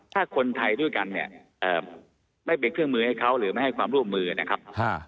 ถ้าคนไทยด้วยกันเนี่ยไม่เป็นเครื่องมือให้เขาหรือไม่ให้ความร่วมมือนะครับ